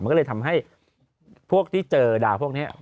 มันก็เลยทำให้พวกที่เจอดาวพวกนี้